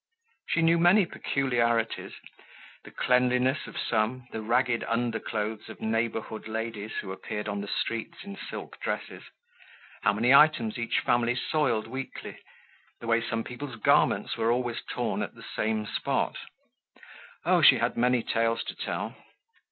She knew many peculiarities, the cleanliness of some, the ragged underclothes of neighborhood ladies who appeared on the streets in silk dresses; how many items each family soiled weekly; the way some people's garments were always torn at the same spot. Oh, she had many tales to tell.